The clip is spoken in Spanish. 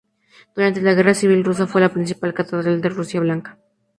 Durante la Guerra Civil rusa fue la principal catedral de Rusia Blanca.